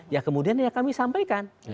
ya kemudian ya kami sampaikan